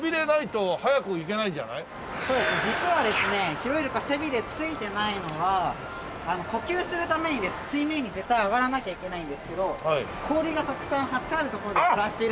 シロイルカ背びれついてないのは呼吸するために水面に絶対上がらなきゃいけないんですけど氷がたくさん張ってある所で暮らしているので。